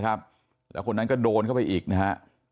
แล้วคนนั้นก็โดนเข้าไปอีกนะฮะ